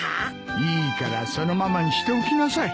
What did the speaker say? いいからそのままにしておきなさい。